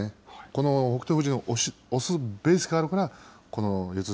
この北勝富士の押すベースがあるからこの四つ